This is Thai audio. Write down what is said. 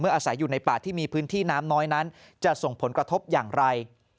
อาศัยอยู่ในป่าที่มีพื้นที่น้ำน้อยนั้นจะส่งผลกระทบอย่างไร